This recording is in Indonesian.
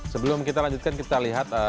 sebelum kita lanjutkan kita lihat